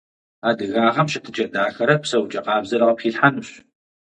Адыгагъэм щытыкIэ дахэрэ псэукIэ къабзэрэ къыпхилъхьэнущ.